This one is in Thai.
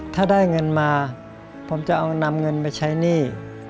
ถ้าได้เงินมาผมจะเอานำเงินไปใช้หนี้